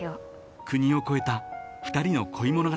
［国をこえた２人の恋物語］